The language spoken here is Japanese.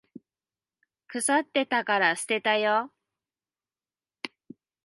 腐ってたから捨てたよ。